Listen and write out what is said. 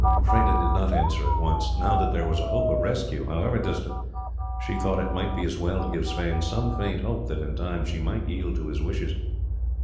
Freda did not answer at once. Now that there was a hope of rescue, however distant, she thought it might be as well to give Sweyn some faint hope that in time she might yield to his wishes.